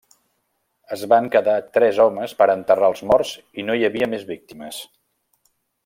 Es van quedar tres homes per enterrar els morts i no hi havia més víctimes.